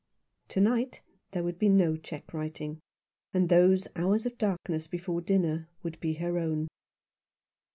To night there would be no cheque writing, and those hours of darkness before dinner would be her own.